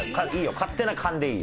勝手な勘でいいよ。